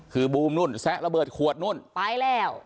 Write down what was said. คือบูมนู่นแซะระเบิดขวดนู่นไปแล้ว